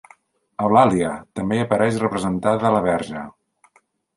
Eulàlia; també hi apareix representada la Verge.